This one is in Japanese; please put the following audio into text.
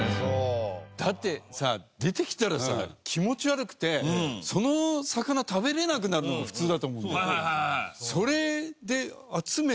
だってさ出てきたらさ気持ち悪くてその魚食べられなくなるのが普通だと思うんだよ。